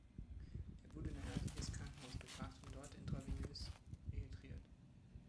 Er wurde in ein örtliches Krankenhaus gebracht und dort intravenös rehydriert.